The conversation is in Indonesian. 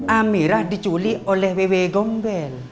amirah diculik oleh ww gombel